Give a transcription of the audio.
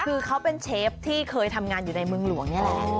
คือเขาเป็นเชฟที่เคยทำงานอยู่ในเมืองหลวงนี่แหละ